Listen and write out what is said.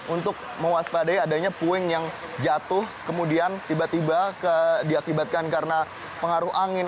untuk mewaspadai adanya puing yang jatuh kemudian tiba tiba diakibatkan karena pengaruh angin